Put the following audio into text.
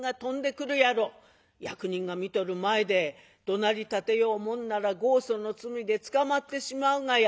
役人が見とる前でどなりたてようもんなら強訴の罪で捕まってしまうがや。